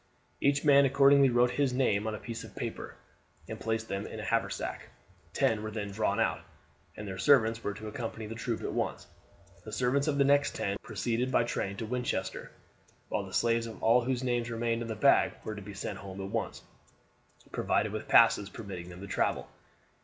Each man accordingly wrote his name on a piece of paper, and placed them in a haversack. Ten were then drawn out; and their servants were to accompany the troop at once. The servants of the next ten were to proceed by train to Winchester, while the slaves of all whose names remained in the bag were to be sent home at once, provided with passes permitting them to travel.